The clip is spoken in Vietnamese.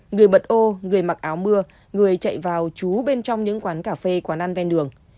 người bật ô người mặc áo mưa người chạy vào chú bên trong những quán cà phê quán ăn ven đường